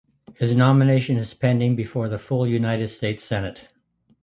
His nomination is pending before the full United States Senate.